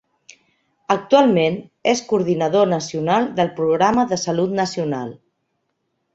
Actualment és Coordinador Nacional del Programa de Salut Nacional.